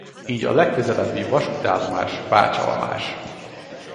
Így a legközelebbi vasútállomás Bácsalmás.